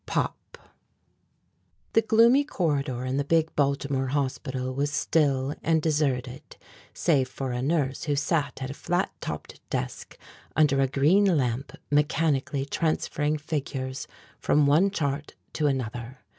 "POP" The gloomy corridor in the big Baltimore hospital was still and deserted save for a nurse who sat at a flat topped desk under a green lamp mechanically transferring figures from one chart to another.